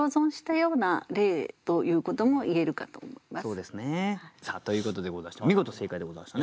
そうですね。ということでございまして見事正解でございましたね。